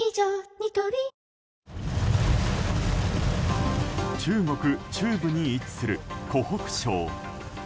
ニトリ中国中部に位置する湖北省。